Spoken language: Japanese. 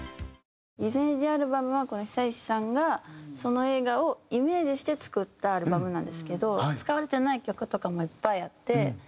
イメージアルバムは久石さんがその映画をイメージして作ったアルバムなんですけど使われてない曲とかもいっぱいあって。